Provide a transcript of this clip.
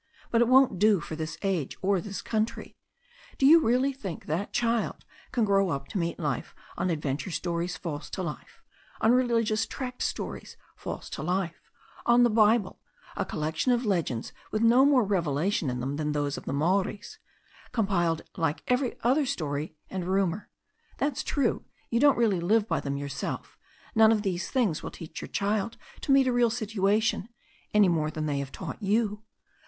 But it won't do for this age, or this country. Do you really think that child can grow up to meet life on adventure stories false: to life, on religious tract stories false to life, on the Bible, a collection of legends with no more revelation in them than those of the Maoris, compiled like every other story and rumour — that's true, you don't really live by them your self — ^none of these things will teach your child to meet a real situation, any more than they have taught you.